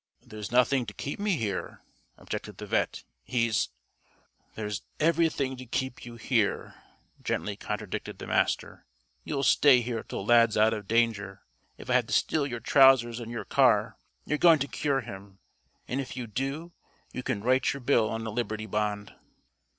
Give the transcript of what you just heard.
"There's nothing to keep me here," objected the vet'. "He's " "There's everything to keep you here," gently contradicted the Master. "You'll stay here till Lad's out of danger if I have to steal your trousers and your car. You're going to cure him. And if you do, you can write your bill on a Liberty Bond."